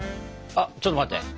あっちょっと待って。